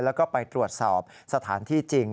แล้วก็ไปตรวจสอบสถานที่จริง